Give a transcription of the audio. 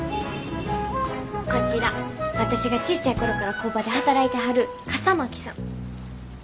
こちら私がちっちゃい頃から工場で働いてはる笠巻さん。